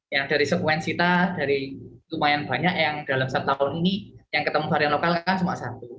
yang dari sekuensi kita dari lumayan banyak yang dalam satu tahun ini yang ketemu varian lokal kan cuma satu